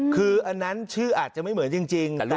คืออันนั้นชื่ออาจจะไม่เหมือนจริง